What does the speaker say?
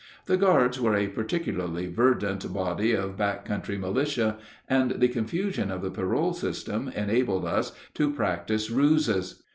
The guards were a particularly verdant body of back country militia, and the confusion of the parole system enabled us to practise ruses.